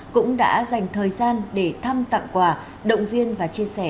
cũng đã dành thời gian để thăm tặng quà động viên và chia sẻ